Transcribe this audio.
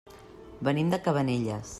Venim de Cabanelles.